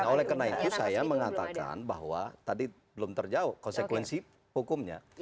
nah oleh karena itu saya mengatakan bahwa tadi belum terjauh konsekuensi hukumnya